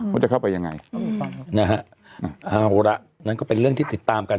ว่าจะเข้าไปยังไงนะฮะเอาละนั่นก็เป็นเรื่องที่ติดตามกัน